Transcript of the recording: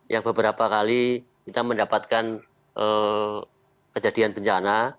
yang beberapa kali kita mendapatkan kejadian bencana